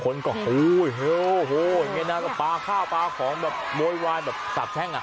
คนก็โอ้โฮเห็นไงนะปลาข้าวปลาของโมยวายแบบสาบแช่ง